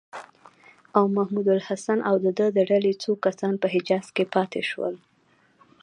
او محمودالحسن او د ده د ډلې څو کسان په حجاز کې پاتې شول.